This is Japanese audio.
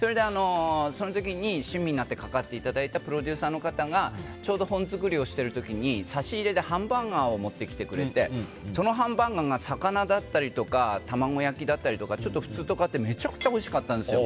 その時に親身になってかかっていただいたプロデューサーの方がちょうど本作りをしている時に差し入れでハンバーガーを持ってきてくれてそのハンバーガーが魚だったりとか卵焼きだったりとか普通と変わっててめちゃくちゃおいしかったんですよ。